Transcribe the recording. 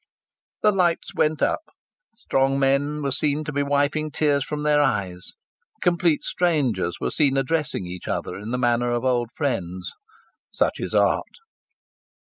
The lights went up. Strong men were seen to be wiping tears from their eyes. Complete strangers were seen addressing each other in the manner of old friends. Such is art.